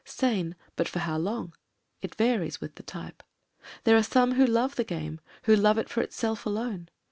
. Sane: but for how long? It varies with the type. There are some who love the game — who love it for itself alone.